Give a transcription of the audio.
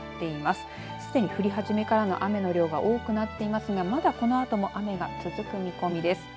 すでに降り始めからの雨の量が多くなっていますがまだ、このあとも雨が続く見込みです。